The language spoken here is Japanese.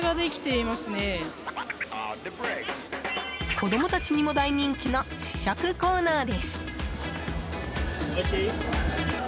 子供たちにも大人気の試食コーナーです。